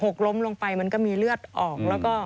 ที่รู้จักต่อเนื่องกันมาจนกระทั่งแจ้งความล่าสุดมันมีอะไรมากกว่านี้